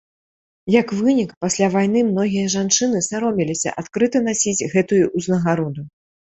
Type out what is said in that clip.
Як вынік, пасля вайны многія жанчыны саромеліся адкрыта насіць гэтую ўзнагароду.